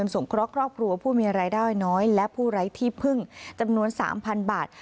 สงเคราะห์ครอบครัวผู้มีรายได้น้อยและผู้ไร้ที่พึ่งจำนวน๓๐๐๐บาท